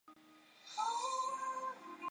沃穆瓦斯。